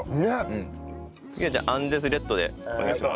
次はじゃあアンデスレッドでお願いします。